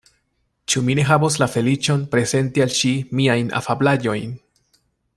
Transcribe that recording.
Ĉu mi ne havos la feliĉon prezenti al ŝi miajn afablaĵojn?